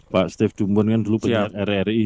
pak steve dumbun kan dulu penyelidikan rri